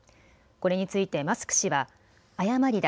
これについてマスク氏は誤りだ。